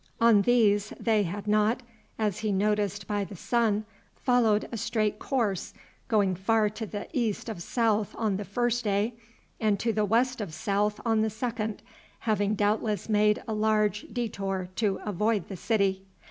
On these they had not, as he noticed by the sun, followed a straight course, going far to the east of south on the first day, and to the west of south on the second, having doubtless made a large detour to avoid the city.